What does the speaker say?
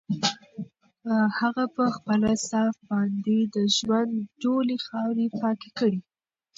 هغه په خپله صافه باندې د ژوند ټولې خاورې پاکې کړې.